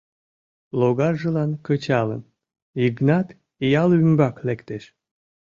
Логаржылан кычалын, Йыгнат ял ӱмбак лектеш.